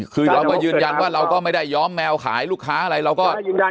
คือเราก็ยืนยันว่าเราก็ไม่ได้ย้อมแมวขายลูกค้าอะไรเราก็